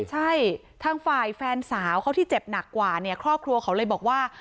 ใช่ทางฝ่ายแฟนสาวเขาที่เจ็บหนักกว่าเนี่ยครอบครัวเขาเลยบอกว่า